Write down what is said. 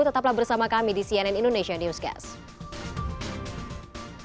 tetaplah bersama kami di cnn indonesia newscast